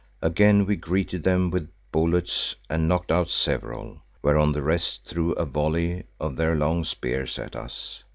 Again we greeted them with bullets and knocked out several, whereon the rest threw a volley of their long spears at us.